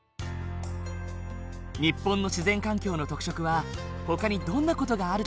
日本の自然環境の特色はほかにどんな事があるだろう？